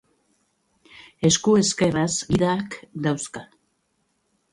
Esku ezkerraz gidak dauzka.